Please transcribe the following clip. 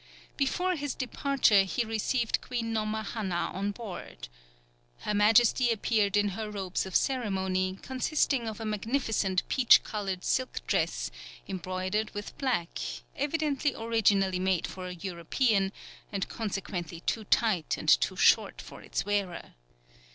Before his departure he received queen Nomahanna on board. Her Majesty appeared in her robes of ceremony, consisting of a magnificent peach coloured silk dress embroidered with black, evidently originally made for a European, and consequently too tight and too short for its wearer.